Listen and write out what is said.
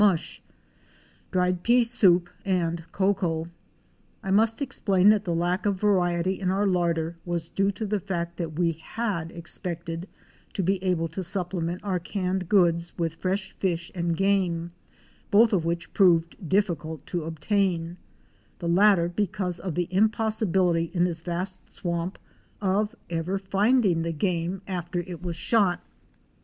mush), dried pea soup and cocoa. I must explain that the lack of variety in our larder was due to the fact that we had expected to be able to supple ment our canned goods with fresh fish and game, both of which proved difficult to obtain, the latter because of the impossibility in this vast swamp of ever finding the game after it was shot.